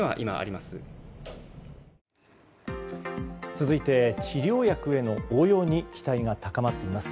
続いて治療薬への応用に期待が高まっています。